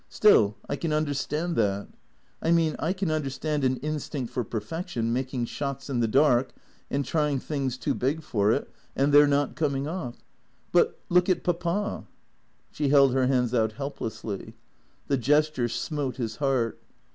Still, I can understand that I mean I can understand an instinct for perfection making shots in the dark and trying things too big for it and their not com ing off. But — look at Papa." She held her hands out helplessly. The gesture smote his heart.